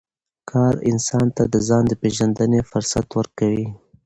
کار انسان ته د ځان د پېژندنې فرصت ورکوي